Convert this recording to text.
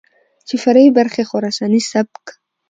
چې فرعي برخې خراساني سبک،